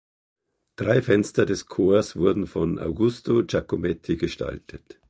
Drei Fenster des Chors wurden von Augusto Giacometti gestaltet.